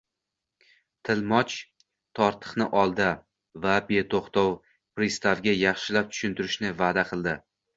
Tilmoch tortiqni oldi va beto‘xtov pristavga yaxshilab tushuntirishni va’da qildi